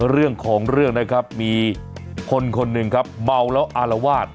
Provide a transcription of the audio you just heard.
เรื่องของเรื่องนะครับมีคนคนหนึ่งครับเมาแล้วอารวาส